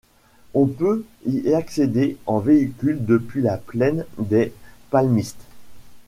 On peut y accéder en véhicule depuis la Plaine-des-Palmistes.